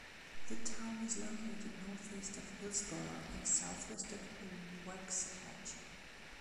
The town is located northeast of Hillsboro and southwest of Waxahachie.